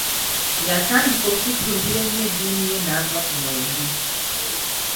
Yatandika okujumbira ennyo eddiini ye n'ava ku mwenge.